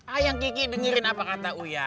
ayo kiki dengerin apa kata uya